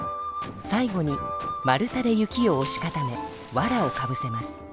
最後に丸太で雪をおし固めわらをかぶせます。